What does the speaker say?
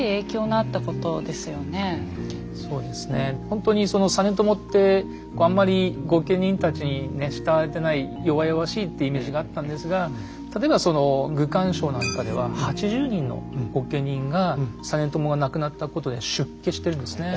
ほんとに実朝ってあんまり御家人たちに慕われてない弱々しいってイメージがあったんですが例えば「愚管抄」なんかでは８０人の御家人が実朝が亡くなったことで出家してるんですね。